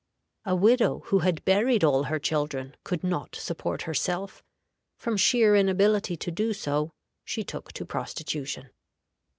A widow who had buried all her children could not support herself. From sheer inability to do so she took to prostitution.